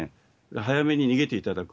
早めに逃げていただく。